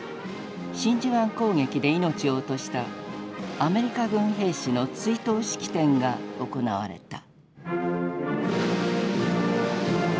真珠湾攻撃で命を落としたアメリカ軍兵士の追悼式典が行われた。